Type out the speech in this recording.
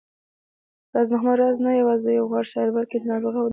راز محمد راز نه يوازې يو غوره شاعر، بلکې يو نابغه ناول ليکوال و